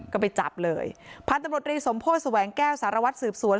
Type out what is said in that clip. ก็ไปจับเลยพันธุเมอร์ตรีสมโภชน์ศูแวงแจ้วสารวัลตร์สืบสวน